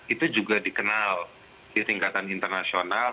itu juga dikenal di tingkatan internasional